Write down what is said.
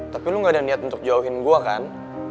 tapi lu gak ada niat untuk jauhin gue kan